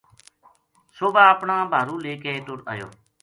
صبح اپنا بھارُو لے کے ٹُر آیو